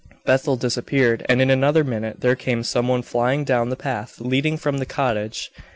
Bethel disappeared, and in another minute there came some one flying down the path leading from the cottage.